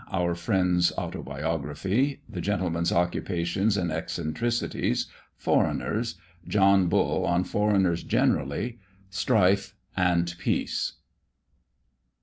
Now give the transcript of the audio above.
OUR FRIEND'S AUTOBIOGRAPHY. THE GENTLEMAN'S OCCUPATIONS AND ECCENTRICITIES. FOREIGNERS. JOHN BULL ON FOREIGNERS GENERALLY. STRIFE AND PEACE.